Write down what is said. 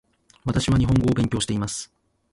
私は日本語を勉強しています